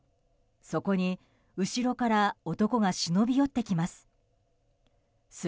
そこに、後ろから男が忍び寄ってきます。